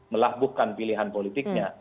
melahbukkan pilihan politiknya